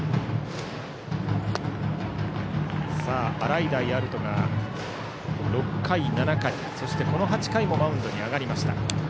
洗平歩人が６回、７回そしてこの８回もマウンドに上がりました。